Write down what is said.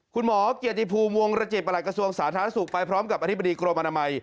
คุณหมอเกียรติภูมิวงรจิตประหลักกระทรวงสาธารณสุขไปพร้อมกับอธิบดีกรมอนามัย